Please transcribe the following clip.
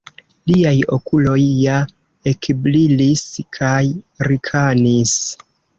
Liaj okuloj ja ekbrilis kaj rikanis.